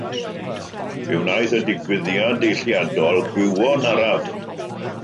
Fe wnaeth y digwyddiad deilliadol gwywo'n araf.